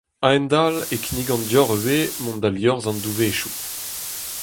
A-hend-all e kinnigan deoc'h ivez mont da liorzh an douvezioù.